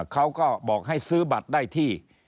เขาก็บอกให้ซื้อบัตรได้ที่